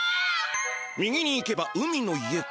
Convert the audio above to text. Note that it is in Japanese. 右に行けば海の家か。